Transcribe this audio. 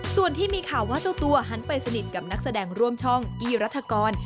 ส่วนที่มีข่าวว่าเจ้าตัวหันไปสนิทกับนักแสดงร่วมช่องกี้รัฐกร